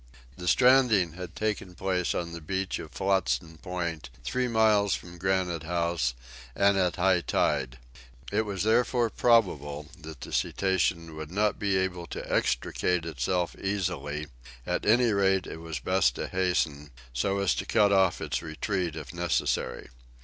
The stranding had taken place on the beach of Flotsam Point, three miles from Granite House, and at high tide. It was therefore probable that the cetacean would not be able to extricate itself easily; at any rate it was best to hasten, so as to cut off its retreat if necessary.